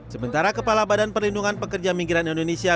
sementara kepala badan perlindungan pekerja migran indonesia